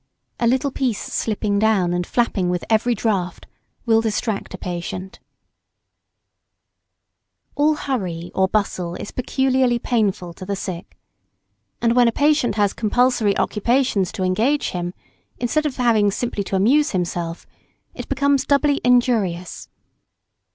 A little piece slipping down, and flapping with every draught, will distract a patient. [Sidenote: Hurry peculiarly hurtful to sick.] All hurry or bustle is peculiarly painful to the sick. And when a patient has compulsory occupations to engage him, instead of having simply to amuse himself, it becomes doubly injurious.